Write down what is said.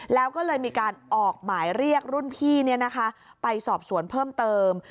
แล้วก็เลยมีการออกหมายเรียกรุ่นพี่ไปสอบสวนเพิ่มเติม